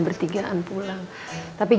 hai terima kasih iya iya iya pak bos